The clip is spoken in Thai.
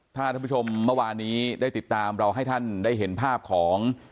ถ้าท่านผู้ชมเมื่อวานี้ได้ติดตามเราให้ท่านได้เห็นภาพของ